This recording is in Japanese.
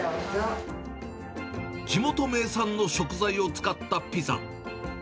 地元名産の食材を使ったピザ。